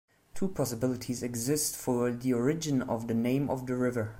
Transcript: Two possibilities exist for the origin of the name of the river.